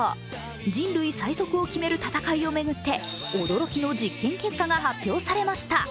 人類最速を決める戦いを巡って驚きの実験結果が発表されました